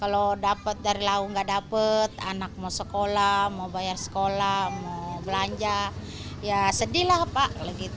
kalau dapat dari lau nggak dapat anak mau sekolah mau bayar sekolah mau belanja ya sedih lah pak